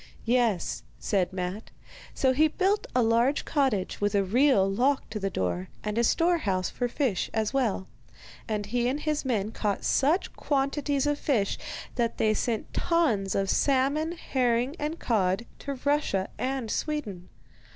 'Yes,' said Matte. So he built a large cottage, with a real lock to the door, and a store house for fish as well; and he and his men caught such quantities of fish that they sent tons of salmon, herring, and cod to Russian and Sweden.